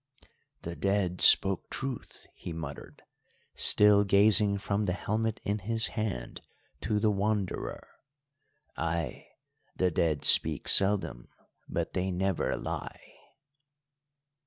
"The Dead spoke truth," he muttered, still gazing from the helmet in his hand to the Wanderer; "ay, the Dead speak seldom, but they never lie."